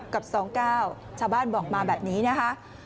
กับ๒๙ชาวบ้านบอกมาแบบนี้นะคะ